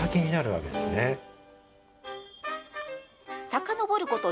さかのぼること